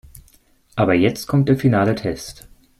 Aber jetzt kommt der finale Test.